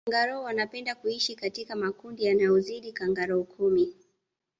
kangaroo wanapenda kuishi katika makundi yanayozidi kangaroo kumi